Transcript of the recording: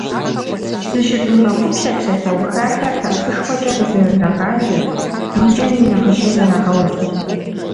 Зыщывмыгъэгъупщэ псалъэухахэр хьэрфышхуэкӀэ къызэрырагъажьэр, и кӀэми нагъыщэ зэрагъэувыр.